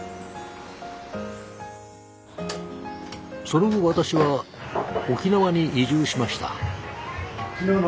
その後私は沖縄に移住しました。